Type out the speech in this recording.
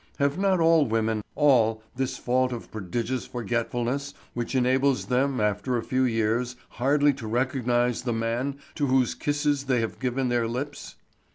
Have not all women, all, this fault of prodigious forgetfulness which enables them, after a few years, hardly to recognise the man to whose kisses they have given their lips?